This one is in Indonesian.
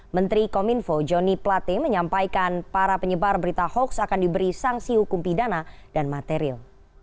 menteri kominfo joni plate menyampaikan para penyebar berita hoax akan diberi sanksi hukum pidana dan material